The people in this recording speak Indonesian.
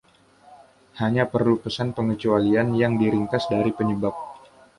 Hanya perlu pesan pengecualian yang diringkas dari "penyebab".